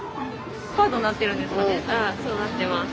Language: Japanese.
そうなってます。